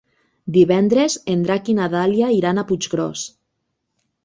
Divendres en Drac i na Dàlia iran a Puiggròs.